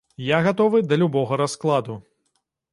Я гатовы да любога раскладу.